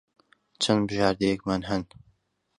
چەند بژاردەیەکمان ھەن.